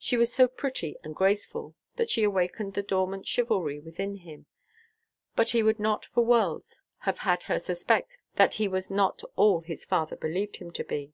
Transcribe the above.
She was so pretty and graceful that she awakened the dormant chivalry within him, and he would not for worlds have had her suspect that he was not all his father believed him to be.